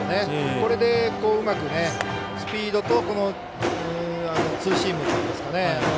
これで、うまくスピードとツーシームというんですかね。